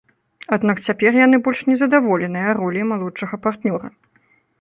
Аднак цяпер яны больш не задаволеныя роляй малодшага партнёра.